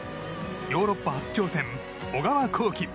ヨーロッパ初挑戦、小川航基。